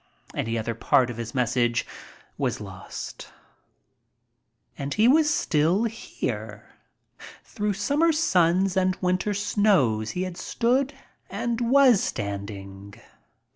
Any other part of his message was lost. And he was still here. Through summer suns and winter snows he had stood and was standing.